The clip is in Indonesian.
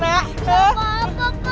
gak apa apa kak